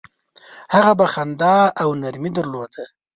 هغه به خندا او نرمي درلوده.